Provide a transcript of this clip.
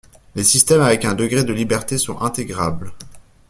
les système avec un degré de liberté sont intégrables